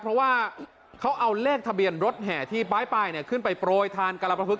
เพราะว่าเขาเอาเลขทะเบียนรถแห่ที่ป้ายขึ้นไปโปรยทานกรประพึก